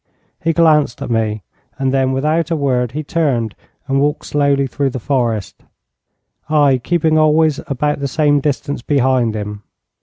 He glanced at me, and then without a word he turned and walked slowly through the forest, I keeping always about the same distance behind him.